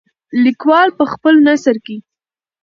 لیکوال په خپل نثر کې.